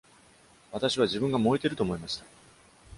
私は自分が燃えていると思いました！